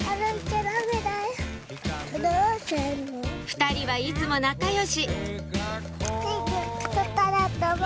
２人はいつも仲良し